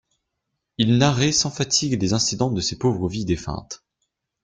Il narrait sans fatigue les incidents de ces pauvres vies défuntes.